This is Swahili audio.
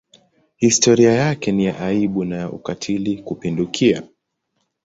Historia yake ni ya aibu na ya ukatili kupindukia.